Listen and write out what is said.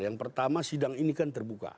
yang pertama sidang ini kan terbuka